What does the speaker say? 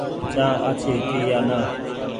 چآن آڇي هيتي يا نآ۔